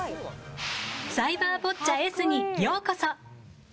サイバーボッチャＳにようこそ。